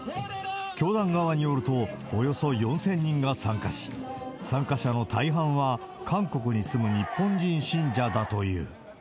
教団側によると、およそ４０００人が参加し、参加者の大半は韓国に住む日本人信者だという。